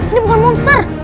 ini bukan monster